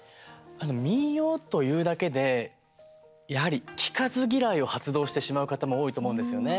民謡というだけでやはり聴かず嫌いを発動してしまう方も多いと思うんですよね。